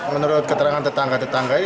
menurut keterangan tetangga tetangga ini